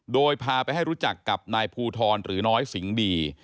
โดยพาไปให้รู้จักกับนายภูทรหรือน้อยสิงห์ดี